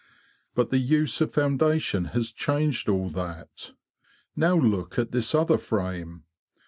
But the use of foundation has changed all that. Now look at this other frame.